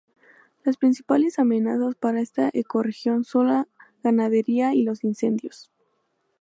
Las principales amenazas para esta ecorregión son la ganadería y los incendios.